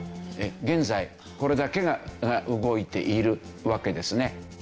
現在これだけが動いているわけですね。